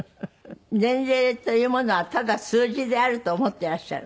年齢というものはただ数字であると思ってらっしゃる？